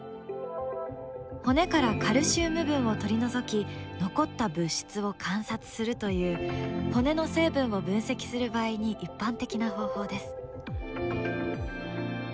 骨からカルシウム分を取り除き残った物質を観察するという骨の成分を分析する場合に一般的な方法です。